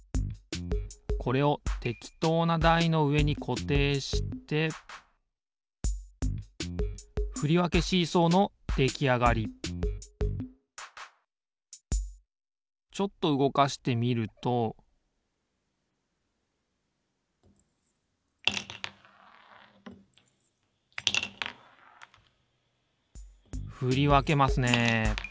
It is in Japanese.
これをてきとうなだいのうえにこていしてできあがりちょっとうごかしてみるとふりわけますね。